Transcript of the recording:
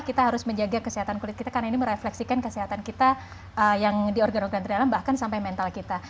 kita harus menjaga kesehatan kulit kita karena ini merefleksikan kesehatan kita yang di organ organ di dalam bahkan sampai mental kita